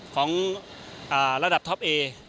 ของระดับท็อปเอ